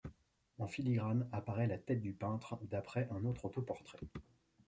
En filigrane apparaît la tête du peintre d'après un autre autoportrait.